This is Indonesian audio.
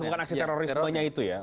bukan aksi terorismenya itu ya